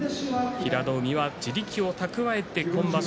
平戸海は地力を蓄えて今場所